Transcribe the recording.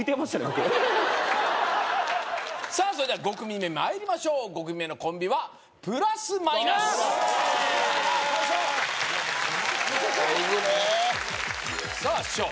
僕さあそれでは５組目まいりましょう５組目のコンビはプラス・マイナスじゃいくでーさあ師匠